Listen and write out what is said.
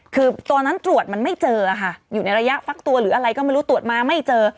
คือตอนนั้นตรวจมันไม่เจอค่ะอยู่ในระยะฟักตัวหรืออะไรก็ไม่รู้ตรวจมาไม่เจอ